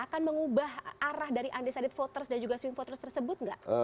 akan mengubah arah dari undecided voters dan juga swing voters tersebut nggak